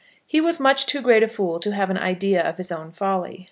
He was much too great a fool to have an idea of his own folly.